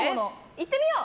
行ってみよう！